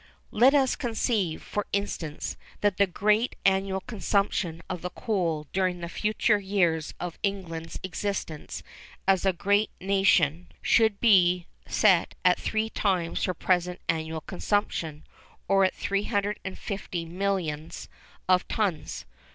Let us conceive, for instance, that the greatest annual consumption of coal during the future years of England's existence as a great nation, should be set at three times her present annual consumption, or at 350 millions of tons.